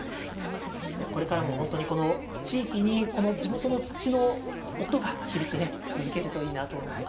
これからも本当に、地域にこの地元の土の音が響き続けるといいなと思います。